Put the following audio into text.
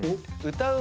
歌う。